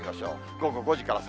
午後５時から先。